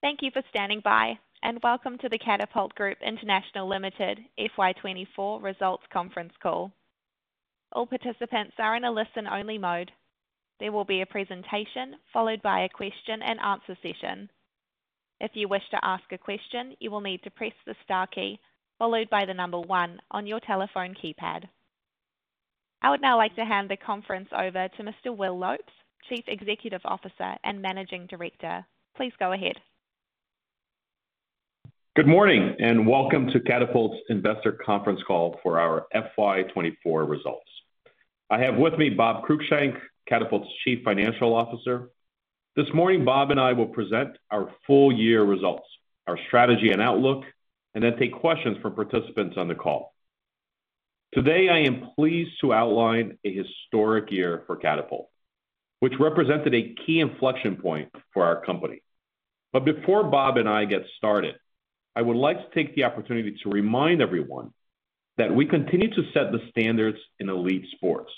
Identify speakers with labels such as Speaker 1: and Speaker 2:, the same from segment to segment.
Speaker 1: Thank you for standing by, and welcome to the Catapult Group International Limited FY 2024 results conference call. All participants are in a listen-only mode. There will be a presentation, followed by a question-and-answer session. If you wish to ask a question, you will need to press the star key followed by the number one on your telephone keypad. I would now like to hand the conference over to Mr. Will Lopes, Chief Executive Officer and Managing Director. Please go ahead.
Speaker 2: Good morning, and welcome to Catapult's Investor Conference Call for our FY 2024 results. I have with me Bob Cruickshank, Catapult's Chief Financial Officer. This morning, Bob and I will present our full year results, our strategy and outlook, and then take questions from participants on the call. Today, I am pleased to outline a historic year for Catapult, which represented a key inflection point for our company. Before Bob and I get started, I would like to take the opportunity to remind everyone that we continue to set the standards in elite sports.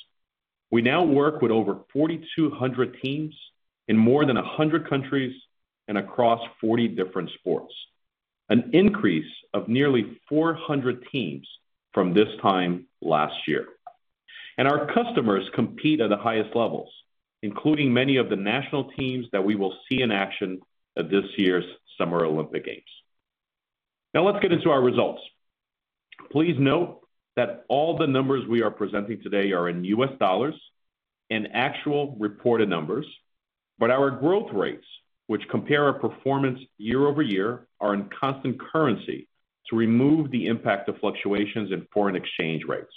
Speaker 2: We now work with over 4,200 teams in more than 100 countries and across 40 different sports, an increase of nearly 400 teams from this time last year. Our customers compete at the highest levels, including many of the national teams that we will see in action at this year's Summer Olympic Games. Now, let's get into our results. Please note that all the numbers we are presenting today are in U.S. dollars and actual reported numbers, but our growth rates, which compare our performance year-over-year, are in constant currency to remove the impact of fluctuations in foreign exchange rates.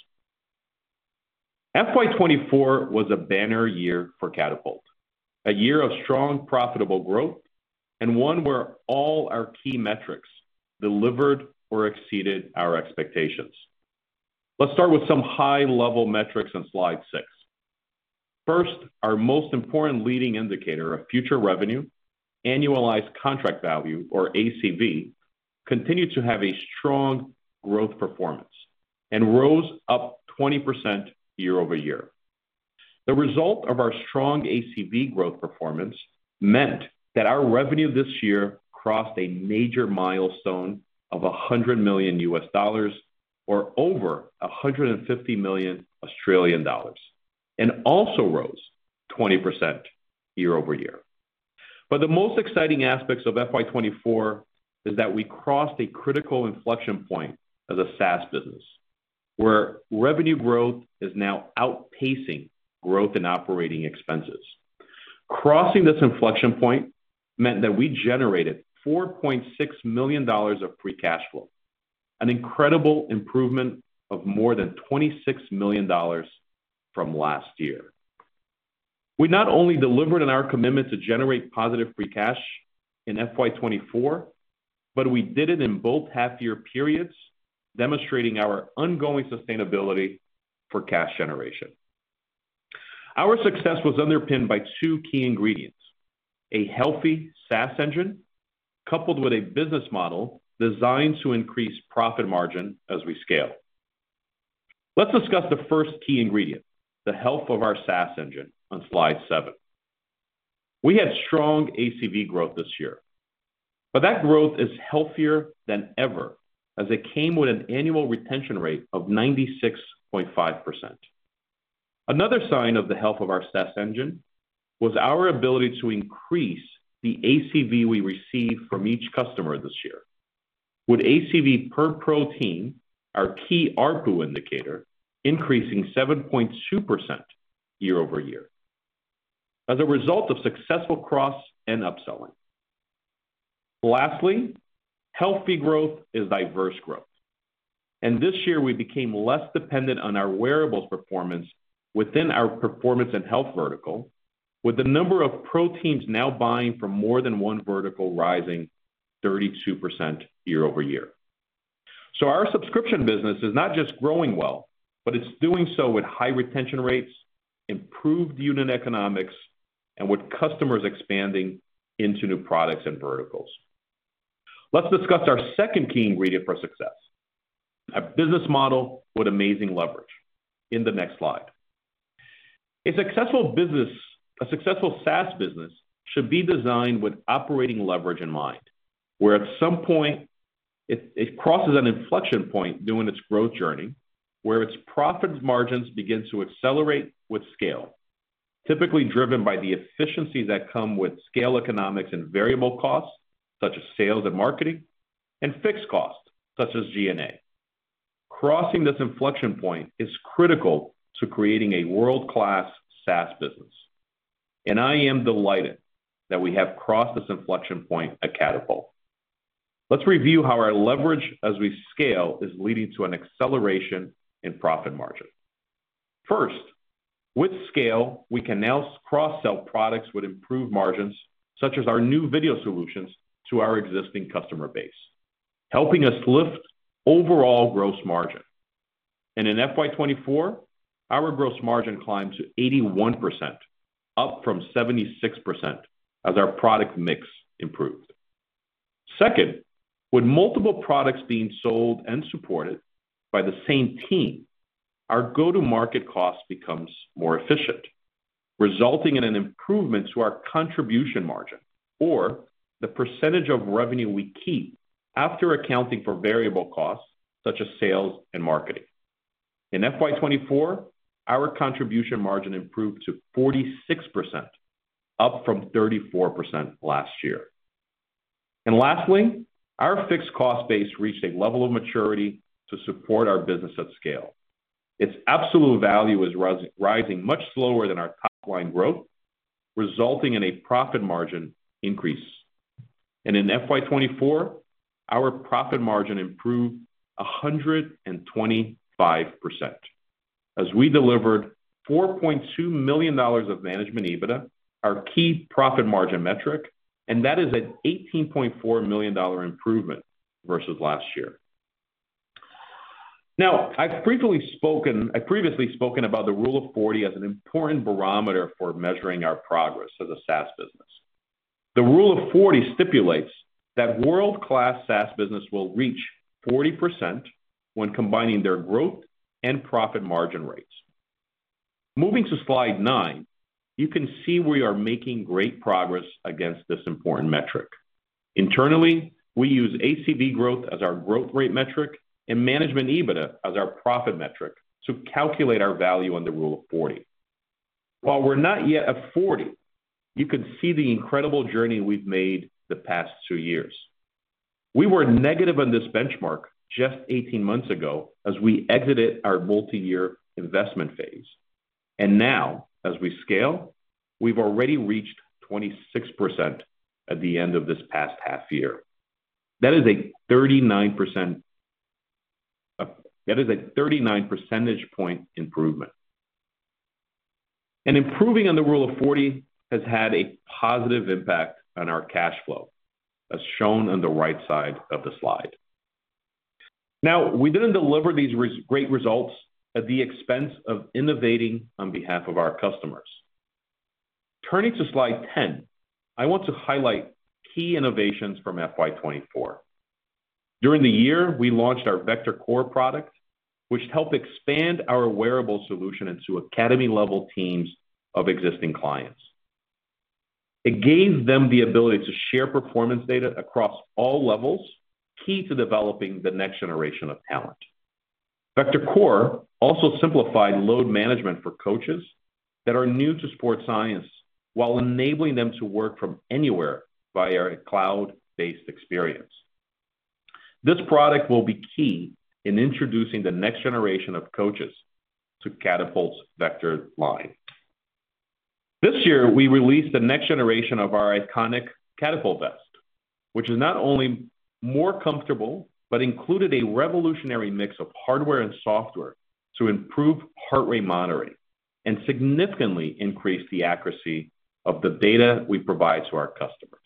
Speaker 2: FY 2024 was a banner year for Catapult, a year of strong, profitable growth and one where all our key metrics delivered or exceeded our expectations. Let's start with some high-level metrics on slide six. First, our most important leading indicator of future revenue, annualized contract value, or ACV, continued to have a strong growth performance and rose up 20% year-over-year. The result of our strong ACV growth performance meant that our revenue this year crossed a major milestone of $100 million, or over 150 million Australian dollars, and also rose 20% year-over-year. But the most exciting aspects of FY 2024 is that we crossed a critical inflection point as a SaaS business, where revenue growth is now outpacing growth and operating expenses. Crossing this inflection point meant that we generated $4.6 million of free cash flow, an incredible improvement of more than $26 million from last year. We not only delivered on our commitment to generate positive free cash in FY 2024, but we did it in both half year periods, demonstrating our ongoing sustainability for cash generation. Our success was underpinned by two key ingredients: a healthy SaaS engine, coupled with a business model designed to increase profit margin as we scale. Let's discuss the first key ingredient, the health of our SaaS engine, on slide seven. We had strong ACV growth this year, but that growth is healthier than ever as it came with an annual retention rate of 96.5%. Another sign of the health of our SaaS engine was our ability to increase the ACV we received from each customer this year. With ACV per pro team, our key ARPU indicator, increasing 7.2% year-over-year as a result of successful cross and upselling. Lastly, healthy growth is diverse growth, and this year we became less dependent on our wearables performance within our performance and health vertical, with the number of pro teams now buying from more than one vertical rising 32% year-over-year. So our subscription business is not just growing well, but it's doing so with high retention rates, improved unit economics, and with customers expanding into new products and verticals. Let's discuss our second key ingredient for success, a business model with amazing leverage in the next slide. A successful SaaS business should be designed with operating leverage in mind, where at some point, it, it crosses an inflection point during its growth journey, where its profit margins begin to accelerate with scale, typically driven by the efficiencies that come with scale economics and variable costs, such as sales and marketing, and fixed costs, such as G&A. Crossing this inflection point is critical to creating a world-class SaaS business, and I am delighted that we have crossed this inflection point at Catapult. Let's review how our leverage as we scale is leading to an acceleration in profit margin. First, with scale, we can now cross-sell products with improved margins, such as our new video solutions to our existing customer base, helping us lift overall gross margin. In FY 2024, our gross margin climbed to 81%, up from 76% as our product mix improved. Second, with multiple products being sold and supported by the same team, our go-to-market cost becomes more efficient, resulting in an improvement to our contribution margin or the percentage of revenue we keep after accounting for variable costs, such as sales and marketing. In FY 2024, our contribution margin improved to 46%, up from 34% last year. And lastly, our fixed cost base reached a level of maturity to support our business at scale. Its absolute value is rising much slower than our top line growth, resulting in a profit margin increase. In FY 2024, our profit margin improved 125% as we delivered $4.2 million of management EBITDA, our key profit margin metric, and that is an $18.4 million improvement versus last year. Now, I've frequently spoken. I've previously spoken about the rule of 40 as an important barometer for measuring our progress as a SaaS business. The Rule of 40 stipulates that world-class SaaS business will reach 40% when combining their growth and profit margin rates. Moving to slide nine, you can see we are making great progress against this important metric. Internally, we use ACV growth as our growth rate metric and management EBITDA as our profit metric to calculate our value on the rule of 40. While we're not yet at 40, you can see the incredible journey we've made the past two years. We were negative on this benchmark just 18 months ago as we exited our multi-year investment phase, and now, as we scale, we've already reached 26% at the end of this past half year. That is a 39%... That is a 39 percentage point improvement. Improving on the rule of 40 has had a positive impact on our cash flow, as shown on the right side of the slide. Now, we didn't deliver these great results at the expense of innovating on behalf of our customers. Turning to slide 10, I want to highlight key innovations from FY 2024. During the year, we launched our Vector Core product, which helped expand our wearable solution into academy-level teams of existing clients. It gave them the ability to share performance data across all levels, key to developing the next generation of talent. Vector Core also simplified load management for coaches that are new to sports science, while enabling them to work from anywhere via a cloud-based experience. This product will be key in introducing the next generation of coaches to Catapult's Vector line. This year, we released the next generation of our iconic Catapult vest, which is not only more comfortable, but included a revolutionary mix of hardware and software to improve heart rate monitoring and significantly increase the accuracy of the data we provide to our customers.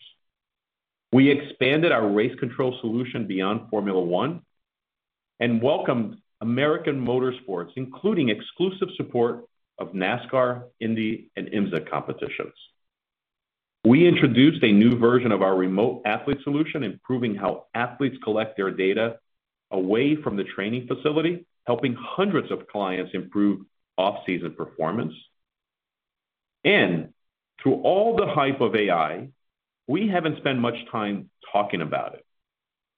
Speaker 2: We expanded our Race Control solution beyond Formula One and welcomed American motorsports, including exclusive support of NASCAR, Indy, and IMSA competitions. We introduced a new version of our Remote Athlete solution, improving how athletes collect their data away from the training facility, helping hundreds of clients improve off-season performance. Through all the hype of AI, we haven't spent much time talking about it,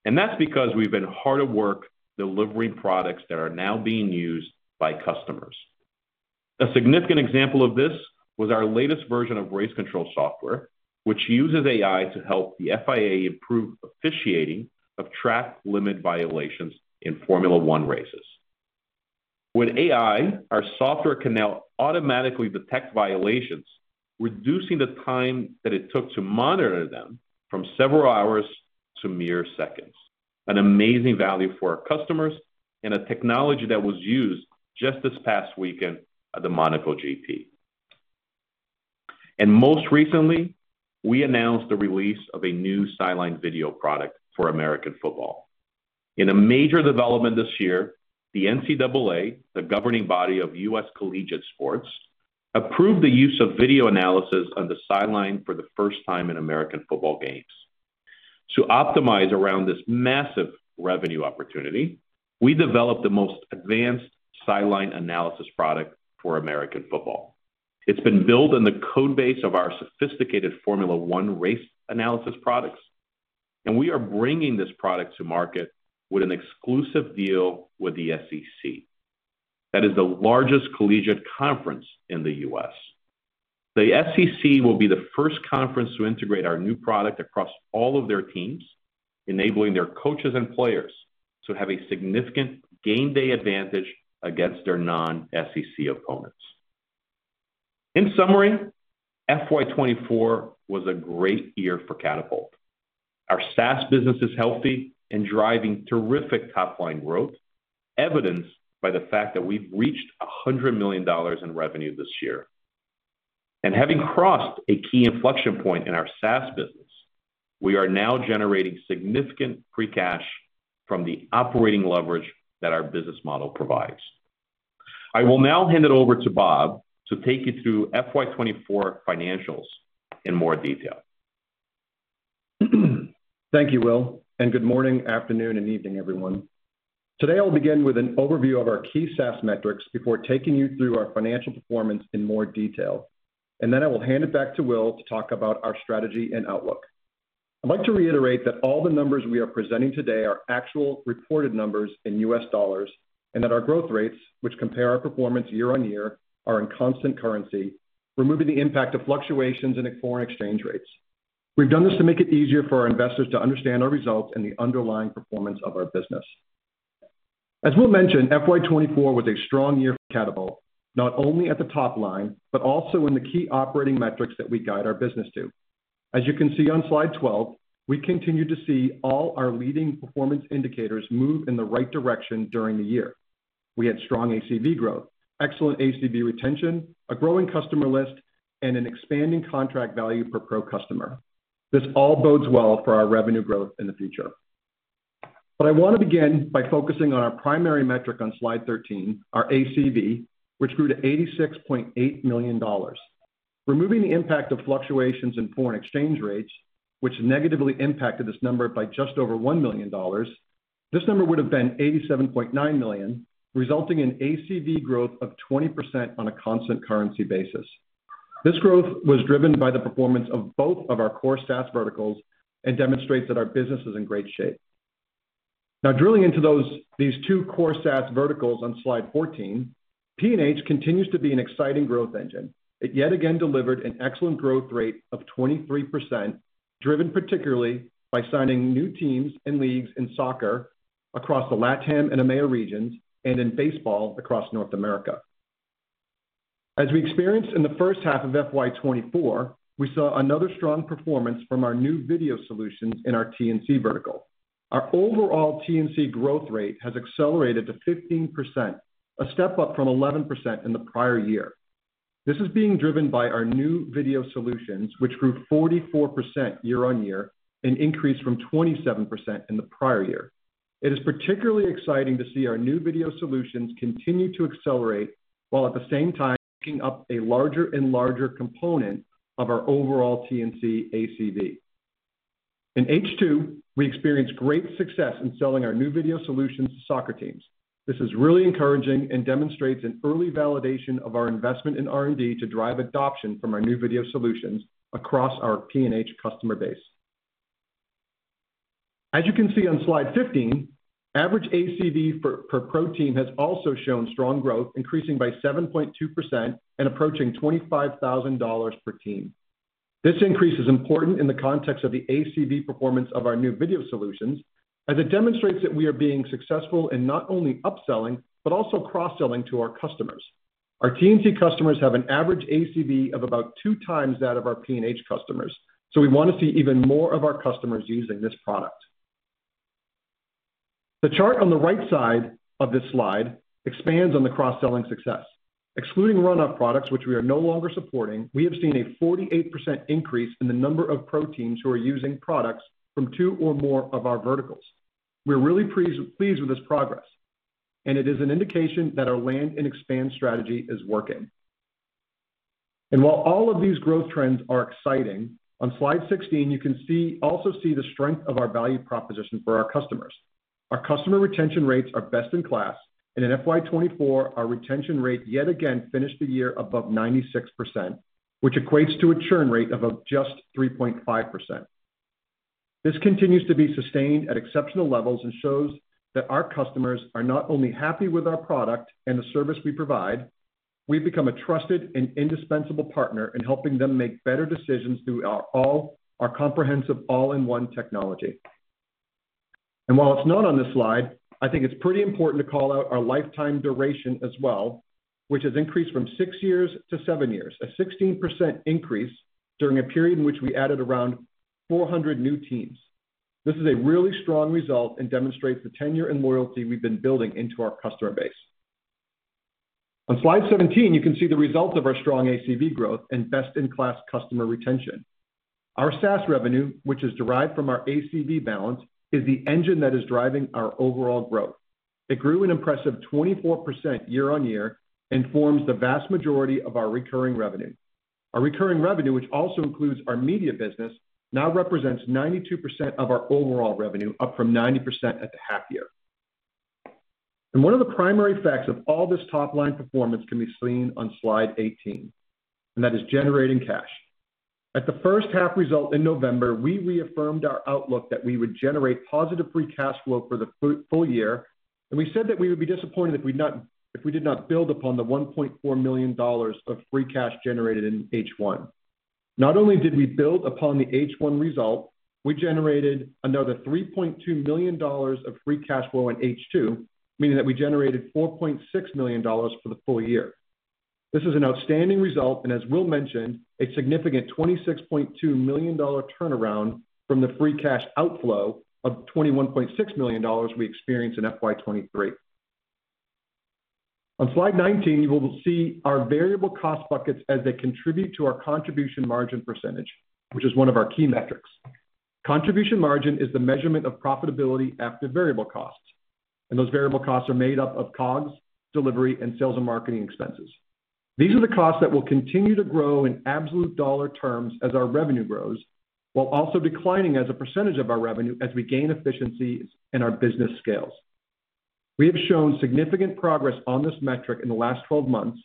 Speaker 2: and that's because we've been hard at work delivering products that are now being used by customers. A significant example of this was our latest version of Race Control software, which uses AI to help the FIA improve officiating of track limit violations in Formula One races. With AI, our software can now automatically detect violations, reducing the time that it took to monitor them from several hours to mere seconds. An amazing value for our customers and a technology that was used just this past weekend at the Monaco GP. Most recently, we announced the release of a new sideline video product for American football. In a major development this year, the NCAA, the governing body of U.S. collegiate sports, approved the use of video analysis on the sideline for the first time in American football games. To optimize around this massive revenue opportunity, we developed the most advanced sideline analysis product for American football. It's been built on the code base of our sophisticated Formula One race analysis products, and we are bringing this product to market with an exclusive deal with the SEC. That is the largest collegiate conference in the U.S. The SEC will be the first conference to integrate our new product across all of their teams, enabling their coaches and players to have a significant game day advantage against their non-SEC opponents. In summary, FY 2024 was a great year for Catapult. Our SaaS business is healthy and driving terrific top-line growth, evidenced by the fact that we've reached $100 million in revenue this year. Having crossed a key inflection point in our SaaS business, we are now generating significant free cash from the operating leverage that our business model provides. I will now hand it over to Bob to take you through FY 2024 financials in more detail....
Speaker 3: Thank you, Will, and good morning, afternoon, and evening, everyone. Today, I'll begin with an overview of our key SaaS metrics before taking you through our financial performance in more detail. Then I will hand it back to Will to talk about our strategy and outlook. I'd like to reiterate that all the numbers we are presenting today are actual reported numbers in U.S. dollars, and that our growth rates, which compare our performance year-on-year, are in constant currency, removing the impact of fluctuations in foreign exchange rates. We've done this to make it easier for our investors to understand our results and the underlying performance of our business. As Will mentioned, FY 2024 was a strong year for Catapult, not only at the top line, but also in the key operating metrics that we guide our business to. As you can see on Slide 12, we continue to see all our leading performance indicators move in the right direction during the year. We had strong ACV growth, excellent ACV retention, a growing customer list, and an expanding contract value per pro customer. This all bodes well for our revenue growth in the future. I want to begin by focusing on our primary metric on Slide 13, our ACV, which grew to $86.8 million. Removing the impact of fluctuations in foreign exchange rates, which negatively impacted this number by just over $1 million, this number would have been $87.9 million, resulting in ACV growth of 20% on a constant currency basis. This growth was driven by the performance of both of our core SaaS verticals and demonstrates that our business is in great shape. Now, drilling into those, these two core SaaS verticals on slide 14, P&H continues to be an exciting growth engine. It yet again delivered an excellent growth rate of 23%, driven particularly by signing new teams and leagues in soccer across the LATAM and EMEA regions, and in baseball across North America. As we experienced in the first half of FY 2024, we saw another strong performance from our new video solutions in our T&C vertical. Our overall T&C growth rate has accelerated to 15%, a step up from 11% in the prior year. This is being driven by our new video solutions, which grew 44% year-on-year, an increase from 27% in the prior year. It is particularly exciting to see our new video solutions continue to accelerate, while at the same time, making up a larger and larger component of our overall T&C ACV. In H2, we experienced great success in selling our new video solutions to soccer teams. This is really encouraging and demonstrates an early validation of our investment in R&D to drive adoption from our new video solutions across our P&H customer base. As you can see on slide 15, average ACV per pro team has also shown strong growth, increasing by 7.2% and approaching $25,000 per team. This increase is important in the context of the ACV performance of our new video solutions, as it demonstrates that we are being successful in not only upselling, but also cross-selling to our customers. Our T&C customers have an average ACV of about 2x that of our P&H customers, so we want to see even more of our customers using this product. The chart on the right side of this slide expands on the cross-selling success. Excluding runoff products, which we are no longer supporting, we have seen a 48% increase in the number of pro teams who are using products from two or more of our verticals. We're really pleased with this progress, and it is an indication that our land and expand strategy is working. While all of these growth trends are exciting, on slide 16, you can also see the strength of our value proposition for our customers. Our customer retention rates are best in class, and in FY 2024, our retention rate yet again finished the year above 96%, which equates to a churn rate of just 3.5%. This continues to be sustained at exceptional levels and shows that our customers are not only happy with our product and the service we provide, we've become a trusted and indispensable partner in helping them make better decisions through our comprehensive all-in-one technology. While it's not on this slide, I think it's pretty important to call out our lifetime duration as well, which has increased from six years to seven years, a 16% increase during a period in which we added around 400 new teams. This is a really strong result and demonstrates the tenure and loyalty we've been building into our customer base. On slide 17, you can see the results of our strong ACV growth and best-in-class customer retention. Our SaaS revenue, which is derived from our ACV balance, is the engine that is driving our overall growth. It grew an impressive 24% year-on-year and forms the vast majority of our recurring revenue. Our recurring revenue, which also includes our media business, now represents 92% of our overall revenue, up from 90% at the half year. One of the primary effects of all this top-line performance can be seen on slide 18, and that is generating cash. At the first half result in November, we reaffirmed our outlook that we would generate positive free cash flow for the full year, and we said that we would be disappointed if we did not build upon the $1.4 million of free cash generated in H1. Not only did we build upon the H1 result, we generated another $3.2 million of free cash flow in H2, meaning that we generated $4.6 million for the full year. This is an outstanding result, and as Will mentioned, a significant $26.2 million dollar turnaround from the free cash outflow of $21.6 million dollars we experienced in FY 2023. On slide 19, you will see our variable cost buckets as they contribute to our contribution margin percentage, which is one of our key metrics. Contribution margin is the measurement of profitability after variable costs, and those variable costs are made up of COGS, delivery, and sales and marketing expenses.... These are the costs that will continue to grow in absolute dollar terms as our revenue grows, while also declining as a percentage of our revenue as we gain efficiencies and our business scales. We have shown significant progress on this metric in the last 12 months,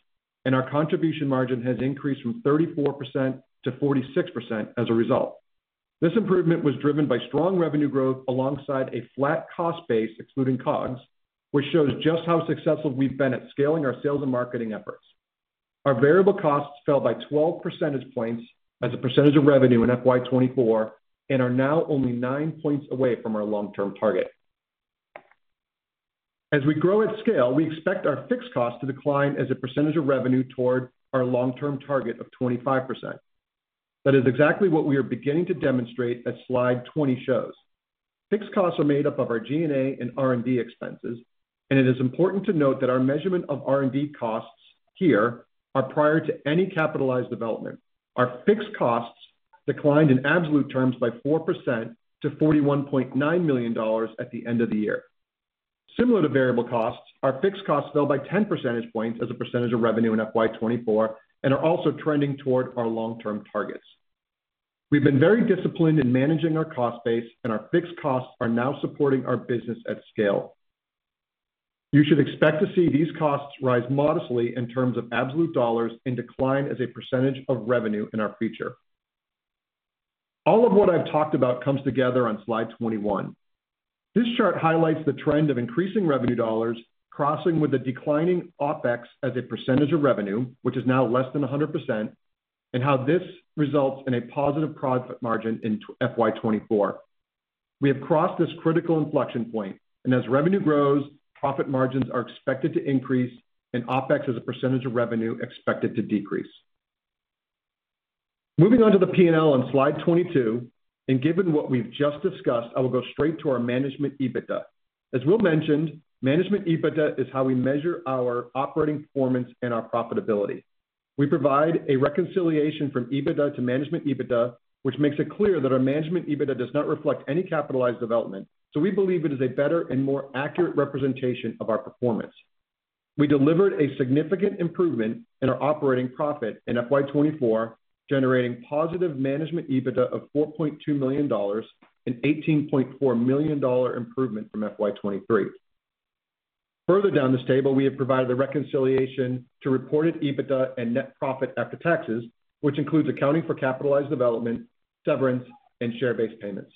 Speaker 3: and our contribution margin has increased from 34%-46% as a result. This improvement was driven by strong revenue growth alongside a flat cost base, excluding COGS, which shows just how successful we've been at scaling our sales and marketing efforts. Our variable costs fell by 12 percentage points as a percentage of revenue in FY 2024, and are now only nine points away from our long-term target. As we grow at scale, we expect our fixed costs to decline as a percentage of revenue toward our long-term target of 25%. That is exactly what we are beginning to demonstrate as slide 20 shows. Fixed costs are made up of our G&A and R&D expenses, and it is important to note that our measurement of R&D costs here are prior to any capitalized development. Our fixed costs declined in absolute terms by 4% to $41.9 million at the end of the year. Similar to variable costs, our fixed costs fell by ten percentage points as a percentage of revenue in FY 2024, and are also trending toward our long-term targets. We've been very disciplined in managing our cost base, and our fixed costs are now supporting our business at scale. You should expect to see these costs rise modestly in terms of absolute dollars and decline as a percentage of revenue in our future. All of what I've talked about comes together on slide 21. This chart highlights the trend of increasing revenue dollars, crossing with the declining OpEx as a percentage of revenue, which is now less than 100%, and how this results in a positive profit margin in FY 2024. We have crossed this critical inflection point, and as revenue grows, profit margins are expected to increase and OpEx as a percentage of revenue, expected to decrease. Moving on to the P&L on slide 22, and given what we've just discussed, I will go straight to our management EBITDA. As Will mentioned, management EBITDA is how we measure our operating performance and our profitability. We provide a reconciliation from EBITDA to management EBITDA, which makes it clear that our management EBITDA does not reflect any capitalized development, so we believe it is a better and more accurate representation of our performance. We delivered a significant improvement in our operating profit in FY 2024, generating positive management EBITDA of $4.2 million, an $18.4 million improvement from FY 2023. Further down this table, we have provided a reconciliation to reported EBITDA and net profit after taxes, which includes accounting for capitalized development, severance, and share-based payments.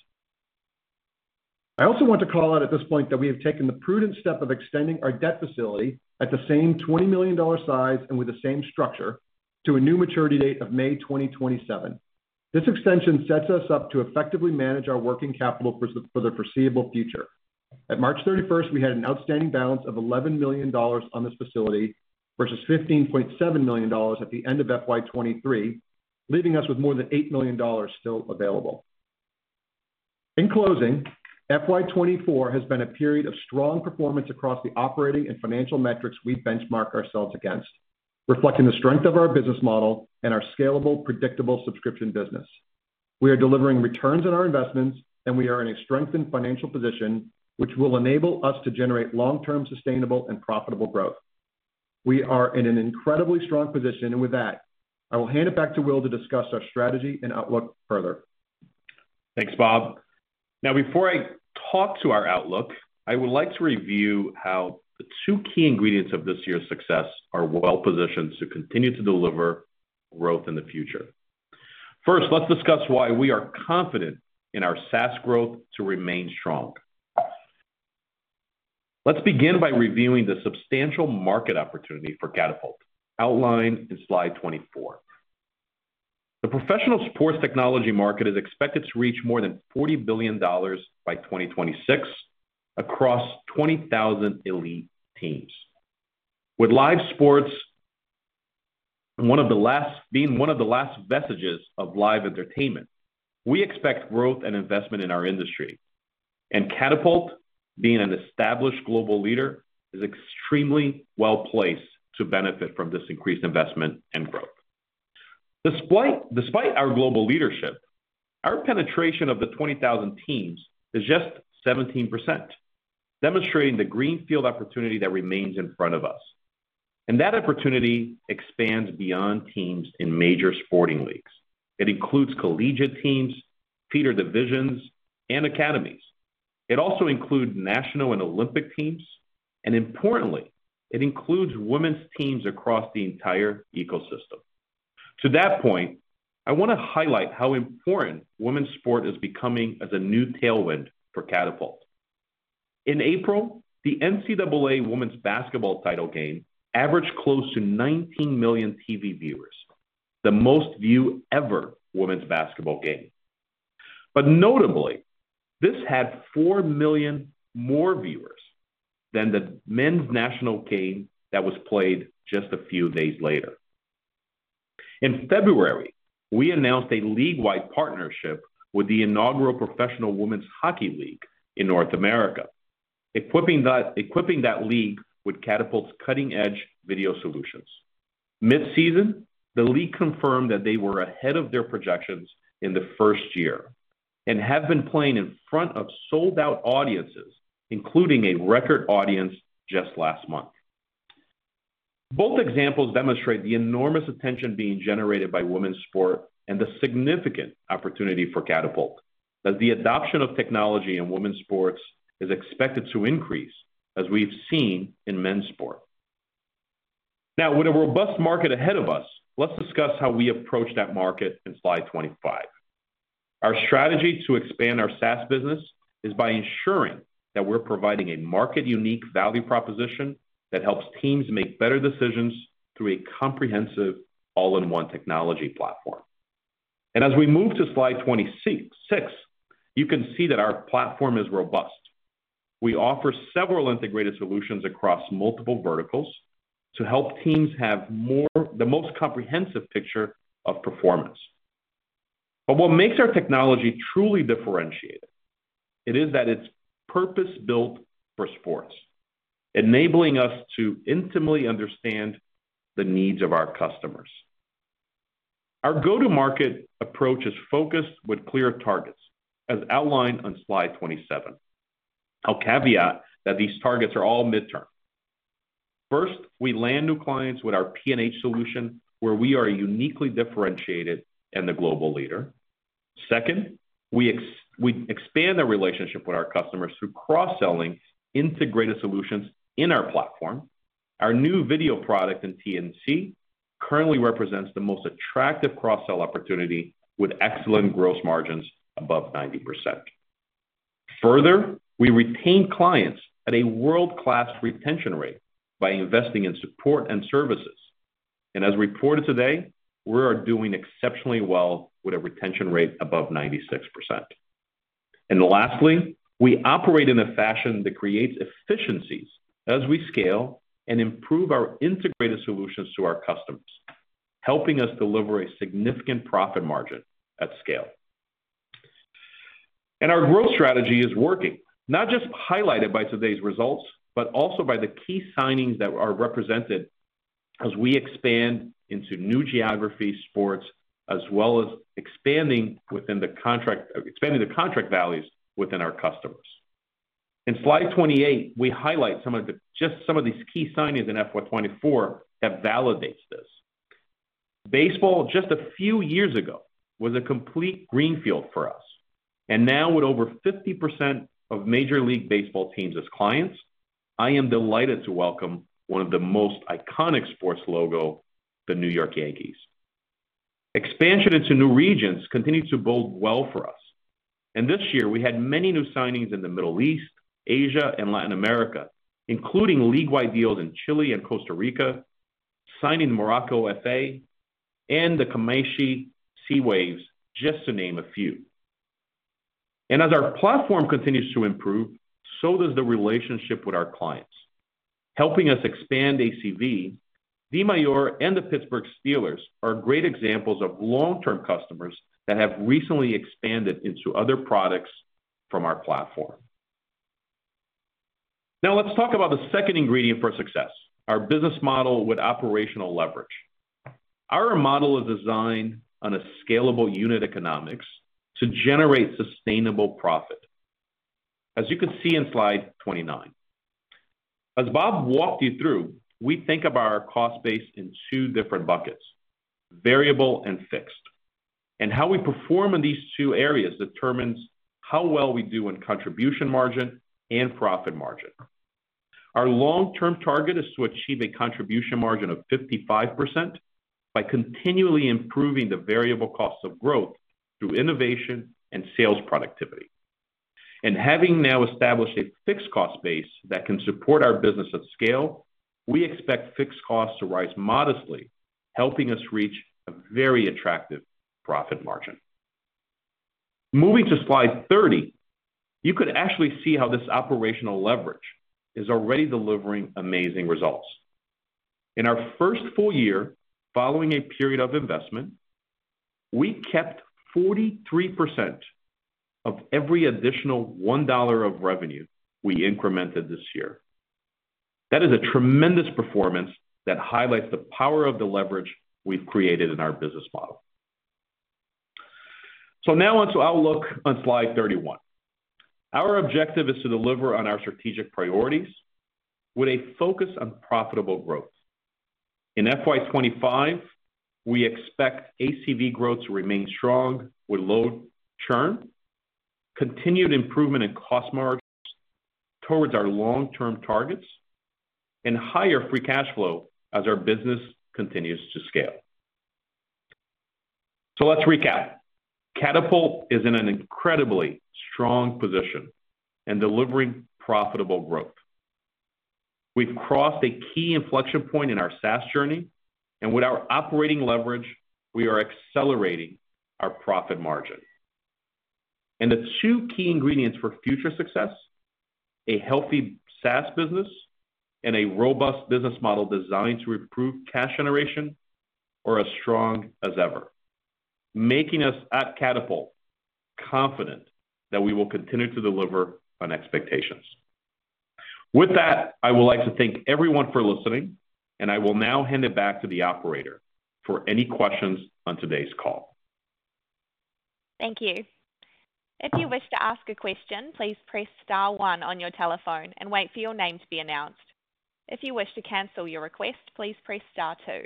Speaker 3: I also want to call out at this point that we have taken the prudent step of extending our debt facility at the same $20 million size and with the same structure to a new maturity date of May 2027. This extension sets us up to effectively manage our working capital for the foreseeable future. At March 31st, we had an outstanding balance of $11 million on this facility, versus $15.7 million at the end of FY 2023, leaving us with more than $8 million still available. In closing, FY 2024 has been a period of strong performance across the operating and financial metrics we benchmark ourselves against, reflecting the strength of our business model and our scalable, predictable subscription business. We are delivering returns on our investments, and we are in a strengthened financial position, which will enable us to generate long-term, sustainable, and profitable growth. We are in an incredibly strong position, and with that, I will hand it back to Will to discuss our strategy and outlook further.
Speaker 2: Thanks, Bob. Now, before I talk to our outlook, I would like to review how the two key ingredients of this year's success are well-positioned to continue to deliver growth in the future. First, let's discuss why we are confident in our SaaS growth to remain strong. Let's begin by reviewing the substantial market opportunity for Catapult, outlined in slide 24. The professional sports technology market is expected to reach more than $40 billion by 2026 across 20,000 elite teams. With live sports, one of the last vestiges of live entertainment, we expect growth and investment in our industry. Catapult, being an established global leader, is extremely well-placed to benefit from this increased investment and growth. Despite our global leadership, our penetration of the 20,000 teams is just 17%, demonstrating the greenfield opportunity that remains in front of us. That opportunity expands beyond teams in major sporting leagues. It includes collegiate teams, feeder divisions, and academies. It also includes national and Olympic teams, and importantly, it includes women's teams across the entire ecosystem. To that point, I want to highlight how important women's sport is becoming as a new tailwind for Catapult. In April, the NCAA Women's Basketball title game averaged close to 19 million TV viewers, the most viewed ever women's basketball game. Notably, this had 4 million more viewers than the men's national game that was played just a few days later. In February, we announced a league-wide partnership with the inaugural Professional Women's Hockey League in North America, equipping that league with Catapult's cutting-edge video solutions. Mid-season, the league confirmed that they were ahead of their projections in the first year... and have been playing in front of sold-out audiences, including a record audience just last month. Both examples demonstrate the enormous attention being generated by women's sport and the significant opportunity for Catapult, as the adoption of technology in women's sports is expected to increase, as we've seen in men's sport. Now, with a robust market ahead of us, let's discuss how we approach that market in slide 25. Our strategy to expand our SaaS business is by ensuring that we're providing a market-unique value proposition that helps teams make better decisions through a comprehensive all-in-one technology platform. And as we move to slide 26, you can see that our platform is robust. We offer several integrated solutions across multiple verticals to help teams have the most comprehensive picture of performance. But what makes our technology truly differentiated, it is that it's purpose-built for sports, enabling us to intimately understand the needs of our customers. Our go-to-market approach is focused with clear targets, as outlined on slide 27. I'll caveat that these targets are all midterm. First, we land new clients with our P&H solution, where we are uniquely differentiated and the global leader. Second, we expand our relationship with our customers through cross-selling integrated solutions in our platform. Our new video product in T&C currently represents the most attractive cross-sell opportunity with excellent gross margins above 90%. Further, we retain clients at a world-class retention rate by investing in support and services, and as reported today, we are doing exceptionally well with a retention rate above 96%. And lastly, we operate in a fashion that creates efficiencies as we scale and improve our integrated solutions to our customers, helping us deliver a significant profit margin at scale. Our growth strategy is working, not just highlighted by today's results, but also by the key signings that are represented as we expand into new geography, sports, as well as expanding within the contract-- expanding the contract values within our customers. In slide 28, we highlight some of the-- just some of these key signings in FY 2024 that validates this. Baseball, just a few years ago, was a complete greenfield for us, and now with over 50% of Major League Baseball teams as clients, I am delighted to welcome one of the most iconic sports logo, the New York Yankees. Expansion into new regions continues to bode well for us, and this year we had many new signings in the Middle East, Asia and Latin America, including league-wide deals in Chile and Costa Rica, signing Morocco FA and the Kamaishi Seawaves, just to name a few. As our platform continues to improve, so does the relationship with our clients. Helping us expand ACV, Dimayor and the Pittsburgh Steelers are great examples of long-term customers that have recently expanded into other products from our platform. Now, let's talk about the second ingredient for success, our business model with operational leverage. Our model is designed on a scalable unit economics to generate sustainable profit. As you can see in slide 29, as Bob walked you through, we think about our cost base in two different buckets, variable and fixed. How we perform in these two areas determines how well we do in contribution margin and profit margin. Our long-term target is to achieve a contribution margin of 55% by continually improving the variable costs of growth through innovation and sales productivity. Having now established a fixed cost base that can support our business at scale, we expect fixed costs to rise modestly, helping us reach a very attractive profit margin. Moving to slide 30, you could actually see how this operational leverage is already delivering amazing results. In our first full year, following a period of investment, we kept 43% of every additional $1 of revenue we incremented this year. That is a tremendous performance that highlights the power of the leverage we've created in our business model. Now on to outlook on slide 31. Our objective is to deliver on our strategic priorities with a focus on profitable growth. In FY 2025, we expect ACV growth to remain strong with low churn, continued improvement in cost margins towards our long-term targets, and higher free cash flow as our business continues to scale. So let's recap. Catapult is in an incredibly strong position and delivering profitable growth. We've crossed a key inflection point in our SaaS journey, and with our operating leverage, we are accelerating our profit margin. And the two key ingredients for future success, a healthy SaaS business and a robust business model designed to improve cash generation, are as strong as ever, making us at Catapult confident that we will continue to deliver on expectations. With that, I would like to thank everyone for listening, and I will now hand it back to the operator for any questions on today's call.
Speaker 1: Thank you. If you wish to ask a question, please press star one on your telephone and wait for your name to be announced. If you wish to cancel your request, please press star two.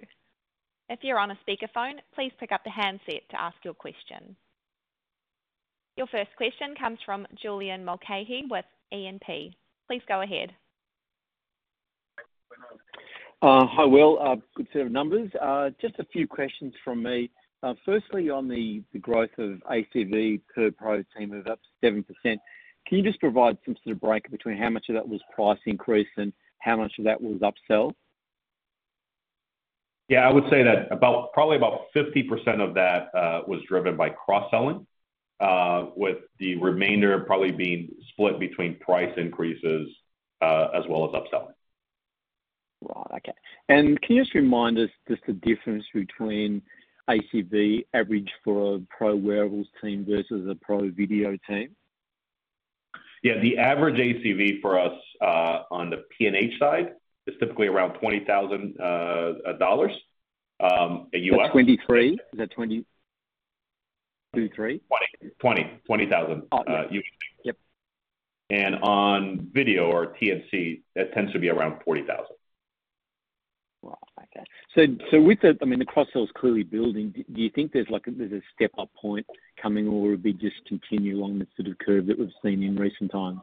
Speaker 1: If you're on a speakerphone, please pick up the handset to ask your question. Your first question comes from Julian Mulcahy with E&P. Please go ahead.
Speaker 4: Hi, Will. Good set of numbers. Just a few questions from me. Firstly, on the growth of ACV per pro team of up to 70%, can you just provide some sort of breakdown between how much of that was price increase and how much of that was upsell?
Speaker 2: Yeah, I would say that about, probably about 50% of that was driven by cross-selling, with the remainder probably being split between price increases, as well as upselling.
Speaker 4: Right. Okay. Can you just remind us just the difference between ACV average for a pro wearables team versus a pro video team?
Speaker 2: Yeah, the average ACV for us on the P&H side is typically around $20,000 in U.S.
Speaker 4: Is that 23? Is that 22, 3?
Speaker 2: 20, 20, 20,000, usually.
Speaker 4: Yep.
Speaker 2: On video or T&C, that tends to be around $40,000.
Speaker 4: Well, okay. So, with the—I mean, the cross-sell is clearly building. Do you think there's like a step-up point coming, or will it just continue along the sort of curve that we've seen in recent times?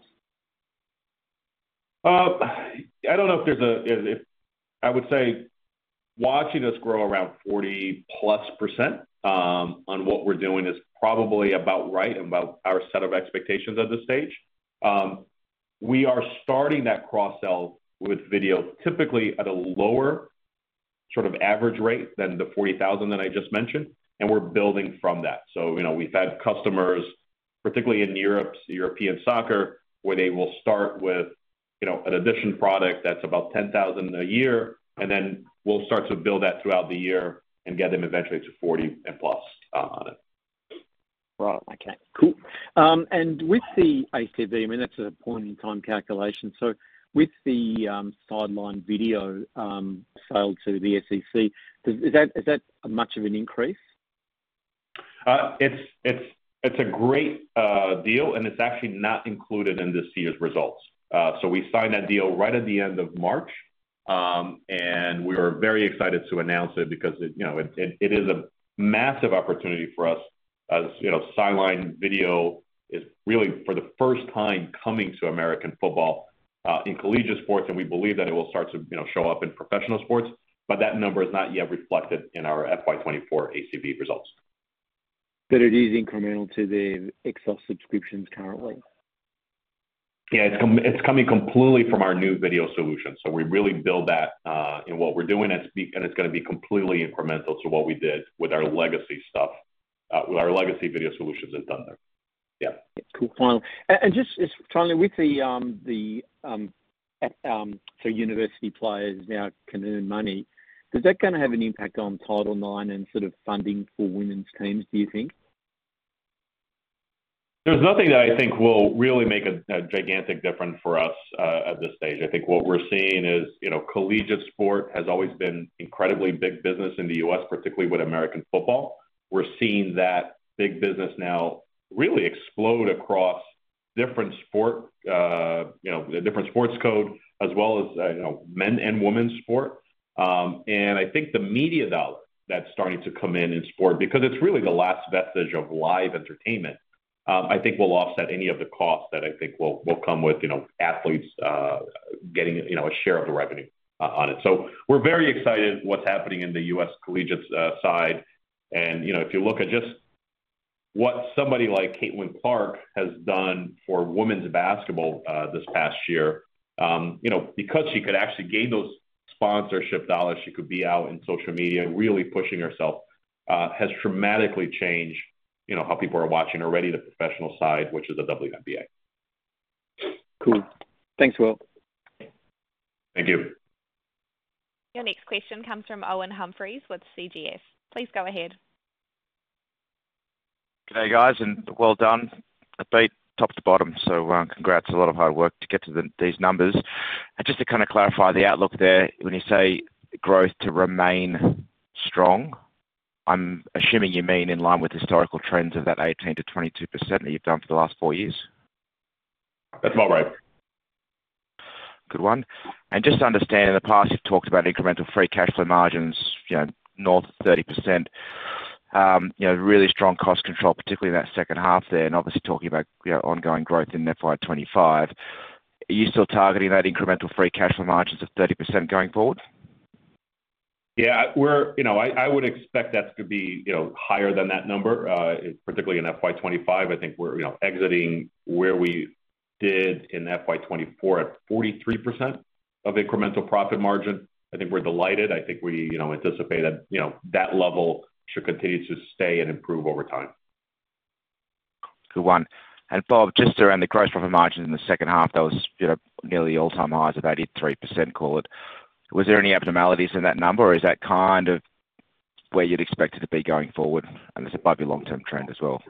Speaker 2: I don't know if there's a... I would say watching us grow around 40%+, on what we're doing is probably about right, about our set of expectations at this stage. We are starting that cross-sell with video, typically at a lower sort of average rate than the $40,000 that I just mentioned, and we're building from that. So, you know, we've had customers, particularly in Europe, European soccer, where they will start with, you know, an additional product that's about $10,000 a year, and then we'll start to build that throughout the year and get them eventually to $40,000+, on it.
Speaker 4: Right. Okay, cool. And with the ACV, I mean, that's a point-in-time calculation. So with the Sideline Video sale to the SEC, is that much of an increase?
Speaker 2: It's a great deal, and it's actually not included in this year's results. So we signed that deal right at the end of March, and we were very excited to announce it because it, you know, it is a massive opportunity for us. As you know, Sideline Video is really, for the first time, coming to American football in collegiate sports, and we believe that it will start to, you know, show up in professional sports, but that number is not yet reflected in our FY 2024 ACV results.
Speaker 4: It is incremental to the Excel subscriptions currently?
Speaker 2: Yeah, it's coming completely from our new video solution. So we really build that in what we're doing, and it's gonna be completely incremental to what we did with our legacy stuff, with our legacy video solutions has done there. Yeah.
Speaker 4: Cool. Final. And just finally, with the so university players now can earn money, does that gonna have an impact on Title IX and sort of funding for women's teams, do you think?
Speaker 2: There's nothing that I think will really make a gigantic difference for us at this stage. I think what we're seeing is, you know, collegiate sport has always been incredibly big business in the U.S., particularly with American football. We're seeing that big business now really explode across different sport, you know, different sports code, as well as, you know, men and women's sport. And I think the media dollar that's starting to come in in sport, because it's really the last vestige of live entertainment, I think will offset any of the costs that I think will come with, you know, athletes getting, you know, a share of the revenue on it. So we're very excited what's happening in the U.S. collegiate side. You know, if you look at just what somebody like Caitlin Clark has done for women's basketball, this past year, you know, because she could actually gain those sponsorship dollars, she could be out in social media and really pushing herself, has dramatically changed, you know, how people are watching already the professional side, which is the WNBA.
Speaker 4: Cool. Thanks, Will.
Speaker 2: Thank you.
Speaker 1: Your next question comes from Owen Humphries with Canaccord Genuity. Please go ahead.
Speaker 5: Good day, guys, and well done. A beat top to bottom, so, congrats, a lot of hard work to get to these numbers. Just to kind of clarify the outlook there, when you say growth to remain strong, I'm assuming you mean in line with historical trends of that 18%-22% that you've done for the last four years?
Speaker 2: That's about right.
Speaker 5: Good one. And just to understand, in the past, you've talked about incremental free cash flow margins, you know, north of 30%. You know, really strong cost control, particularly in that second half there, and obviously talking about, you know, ongoing growth in FY 2025. Are you still targeting that incremental free cash flow margins of 30% going forward?
Speaker 2: Yeah, we're... You know, I would expect that to be, you know, higher than that number, particularly in FY 2025. I think we're, you know, exiting where we did in FY 2024 at 43% of incremental profit margin. I think we're delighted. I think we, you know, anticipated, you know, that level should continue to stay and improve over time.
Speaker 5: Good one. And Bob, just around the gross profit margins in the second half, that was, you know, nearly all-time highs of 83%, call it. Was there any abnormalities in that number, or is that kind of where you'd expect it to be going forward, and is it above your long-term trend as well?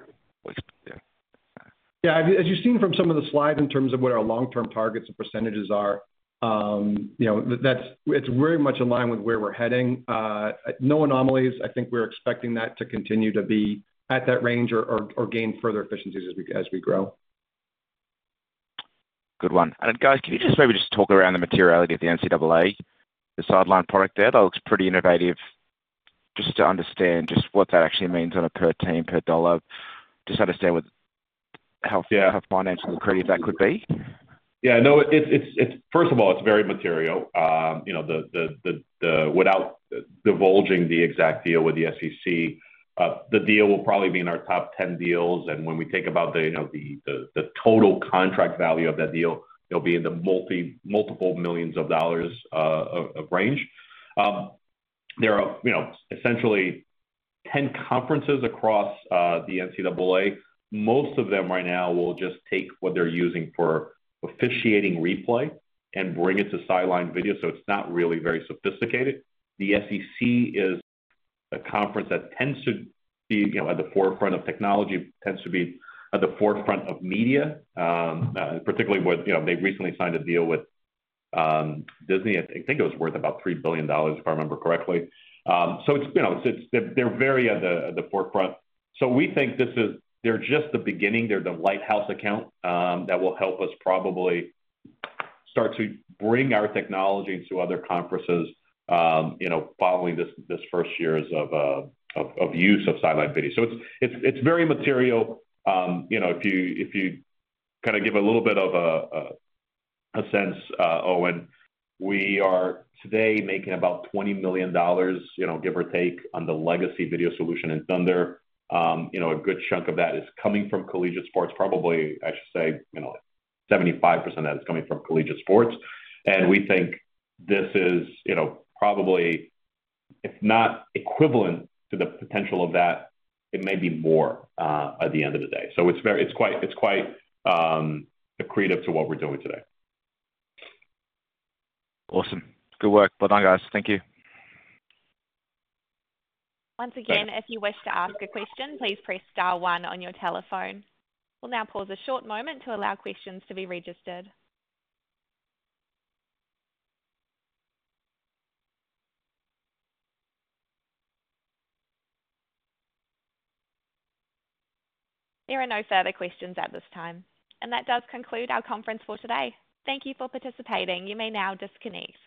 Speaker 5: Yeah.
Speaker 3: Yeah, as you've seen from some of the slides in terms of where our long-term targets and percentages are, you know, that's it's very much in line with where we're heading. No anomalies. I think we're expecting that to continue to be at that range or gain further efficiencies as we grow.
Speaker 5: Good one. And guys, can you just maybe just talk around the materiality of the NCAA, the sideline product there? That looks pretty innovative. Just to understand just what that actually means on a per team, per dollar. Just understand what, how-
Speaker 2: Yeah.
Speaker 5: financially accretive that could be.
Speaker 2: Yeah, no, it's... First of all, it's very material. You know, without divulging the exact deal with the SEC, the deal will probably be in our top 10 deals, and when we think about, you know, the total contract value of that deal, it'll be in the multiple millions of dollars range. There are, you know, essentially 10 conferences across the NCAA. Most of them right now will just take what they're using for officiating replay and bring it to Sideline Video, so it's not really very sophisticated. The SEC is a conference that tends to be, you know, at the forefront of technology, tends to be at the forefront of media, particularly with, you know, they recently signed a deal with Disney. I think it was worth about $3 billion, if I remember correctly. So it's, you know, it's, they're, they're very at the forefront. So we think this is. They're just the beginning. They're the lighthouse account that will help us probably start to bring our technology to other conferences, you know, following this first years of use of sideline video. So it's very material. You know, if you kind of give a little bit of a sense, Owen, we are today making about $20 million, you know, give or take, on the legacy video solution in Thunder. You know, a good chunk of that is coming from collegiate sports, probably, I should say, you know, 75% of that is coming from collegiate sports. We think this is, you know, probably, if not equivalent to the potential of that, it may be more, at the end of the day. So it's very, it's quite accretive to what we're doing today.
Speaker 5: Awesome. Good work. Well done, guys. Thank you.
Speaker 1: Once again, if you wish to ask a question, please press star one on your telephone. We'll now pause a short moment to allow questions to be registered. There are no further questions at this time, and that does conclude our conference for today. Thank you for participating. You may now disconnect.